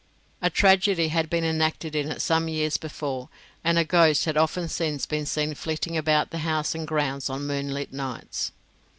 A tragedy had been enacted in it some years before, and a ghost had often since been seen flitting about the house and grounds on moonlight nights.